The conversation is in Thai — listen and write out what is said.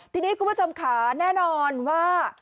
ทีนี้คุณผู้ชมค่ะแน่นอนว่า